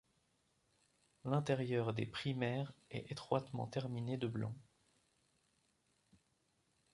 L'intérieur des primaires est étroitement terminé de blanc.